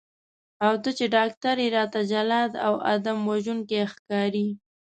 او ته چې ډاکټر یې راته جلاد او آدم وژونکی ښکارې.